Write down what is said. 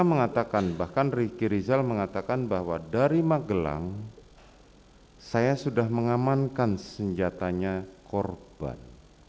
mereka mengatakan bahwa dari magelang saya sudah mengamankan senjatanya korban